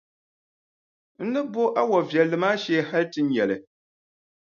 N ni bo a wɔʼ viɛlli maa shee hali nti nya li.